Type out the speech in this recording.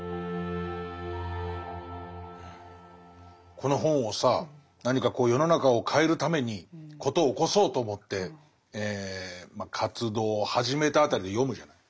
この本をさ何かこう世の中を変えるために事を起こそうと思って活動を始めた辺りで読むじゃない。